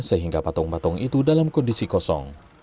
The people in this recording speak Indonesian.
sehingga patung patung itu dalam kondisi kosong